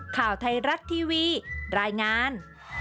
ข่าวไทยรัฐทีวีรายงาน